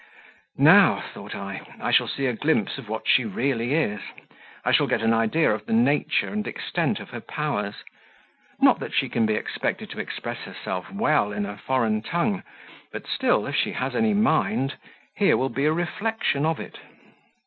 "Now," thought I, "I shall see a glimpse of what she really is; I shall get an idea of the nature and extent of her powers; not that she can be expected to express herself well in a foreign tongue, but still, if she has any mind, here will be a reflection of it."